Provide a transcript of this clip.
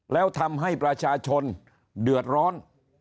แล้วทำให้ประชาชนเดือดร้อน